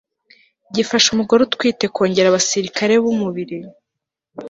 gifasha umugore utwite kongera abasirikare b'umubiri